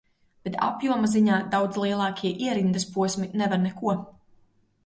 Bet apjoma ziņā daudz lielākie ierindas posmi nevar neko.